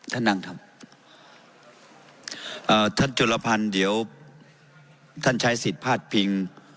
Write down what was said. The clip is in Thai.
ท่านนั่งครับเอ่อท่านจุลพันธ์เดี๋ยวท่านใช้สิทธิ์พาดพิง